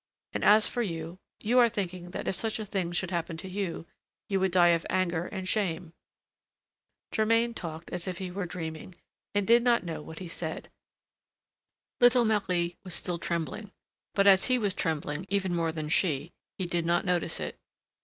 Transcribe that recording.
And as for you, you are thinking that if such a thing should happen to you, you would die of anger and shame!" Germain talked as if he were dreaming, and did not know what he said. Little Marie was still trembling; but as he was trembling even more than she, he did not notice it.